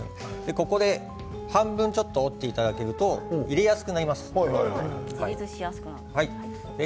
ここで半分ちょっと折っていただくと入れやすくなります。